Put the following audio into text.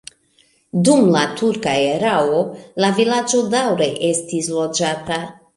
Dum la turka erao la vilaĝo daŭre estis loĝata.